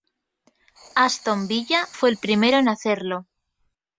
Aston Villa fue el primero en hacerlo.